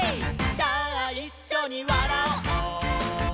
さあいっしょにわらおう」